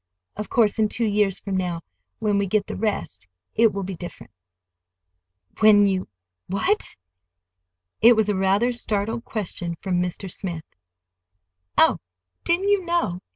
Of course, in two years from now, when we get the rest, it will be different." "When you—what?" It was a rather startled question from Mr. Smith. "Oh, didn't you know?